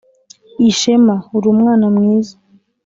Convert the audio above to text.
ishema uri umwana mwiza